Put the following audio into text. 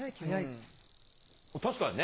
確かにね。